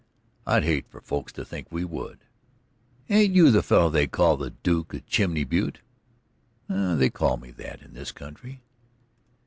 "I'd hate for folks to think we would." "Ain't you the feller they call; the Duke of Chimney Butte?" "They call me that in this country."